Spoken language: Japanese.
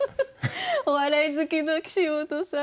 お笑い好きの岸本さん